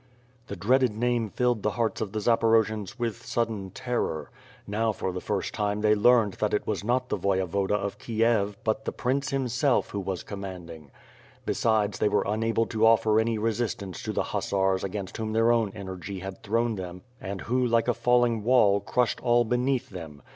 The dreaded name filled the hearts of the Zaporojians with sudden terror. Now for the first time they learned that it was not the Voyevoda of Kiev, but the prince, himself, who was commanding. Besides they were unable to offer any re sistance to the hussars against whom their own energy had thrown them and who, like a falling wall, crushed all beneath them.